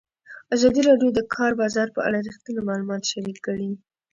ازادي راډیو د د کار بازار په اړه رښتیني معلومات شریک کړي.